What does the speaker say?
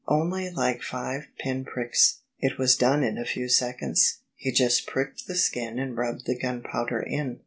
" Only like five pin pricks; it was done in a few seconds. He just pricked the skin and rubbed the gunpowder in.